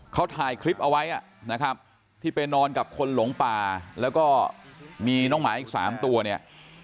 เขาถ่ายคลิปเอาไว้นะครับที่ไปนอนกับคนหลงป่าแล้วก็มีน้องหมาอีก๓ตัวเนี่ย